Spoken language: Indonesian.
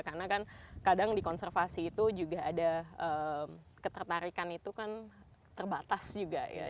karena kan kadang di konservasi itu juga ada ketertarikan itu kan terbatas juga ya